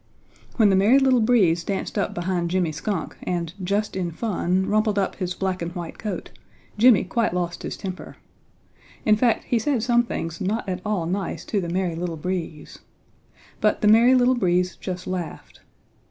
When the Merry Little Breeze danced up behind Jimmy Skunk and, just in fun, rumpled up his black and white coat, Jimmy quite lost his temper. In fact he said some things not at all nice to the Merry Little Breeze. But the Merry Little Breeze just laughed.